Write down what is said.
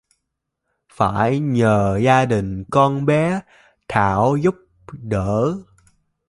phải nhờ gia đình con bé Thảo giúp đỡ